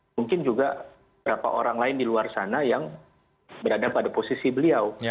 mungkin juga berapa orang lain di luar sana yang berada pada posisi beliau